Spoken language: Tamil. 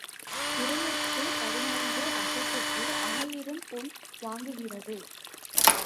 இருநூற்று பதினைந்து அசைப்புக்கு ஆயிரம் பொன் வாங்குகிறது.